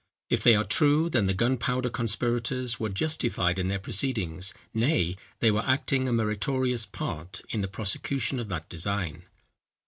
If they are true, then the gunpowder conspirators were justified in their proceedings, nay, they were acting a meritorious part in the prosecution of that design.